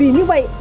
vì như vậy